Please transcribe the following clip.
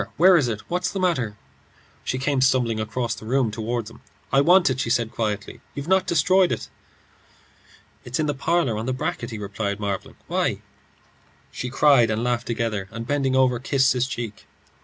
Where is it? What's the matter?" She came stumbling across the room toward him. "I want it," she said, quietly. "You've not destroyed it?" "It's in the parlour, on the bracket," he replied, marvelling. "Why?" She cried and laughed together, and bending over, kissed his cheek.